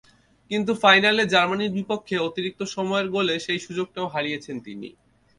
কিন্তু ফাইনালে জার্মানির বিপক্ষে অতিরিক্ত সময়ের গোলে সেই সুযোগটাও হারিয়েছেন তিনি।